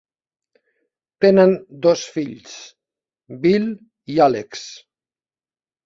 Tenen dos fills, Bill i Alex.